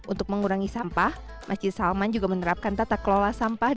untuk mengurangi sampah masjid salman juga menerapkan tata kelola sampah